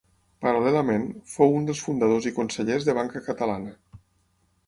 Paral·lelament, fou un dels fundadors i consellers de Banca Catalana.